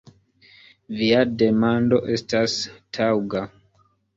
Via demando estas taŭga.